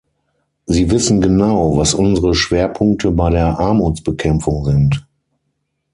Sie wissen genau, was unsere Schwerpunkte bei der Armutsbekämpfung sind.